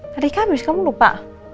hari kamis kamu lupa